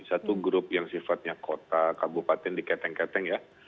satu grup yang sifatnya kota kabupaten diketeng keteng ya